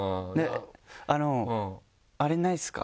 あのあれないですか？